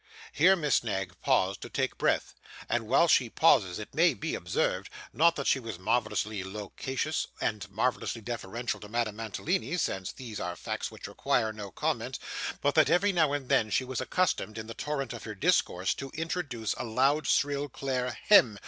Here Miss Knag paused to take breath, and while she pauses it may be observed not that she was marvellously loquacious and marvellously deferential to Madame Mantalini, since these are facts which require no comment; but that every now and then, she was accustomed, in the torrent of her discourse, to introduce a loud, shrill, clear 'hem!